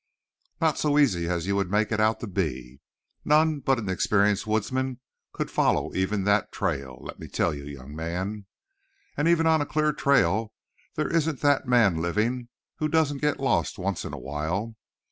"Not so easy as you would make it out to be. None but an experienced Woodsman could follow even that trail, let me tell you, young man. And even on a clear trail there isn't that man living who doesn't get lost once in a while.